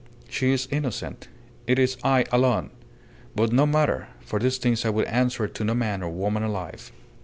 "She is innocent. It is I alone. But no matter. For these things I would answer to no man or woman alive."